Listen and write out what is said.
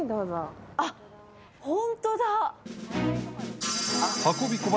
あっ、本当だ。